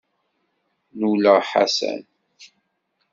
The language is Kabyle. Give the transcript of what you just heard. Nnuleɣ Ḥasan.